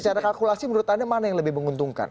secara kalkulasi menurut anda mana yang lebih menguntungkan